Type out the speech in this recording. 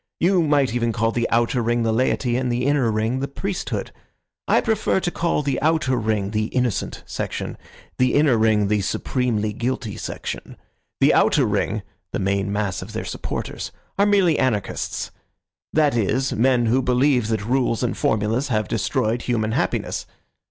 You might even call the outer ring the laity and the inner ring the priesthood. I prefer to call the outer ring the innocent section, the inner ring the supremely guilty section. The outer ring—the main mass of their supporters—are merely anarchists; that is, men who believe that rules and formulas have destroyed human happiness.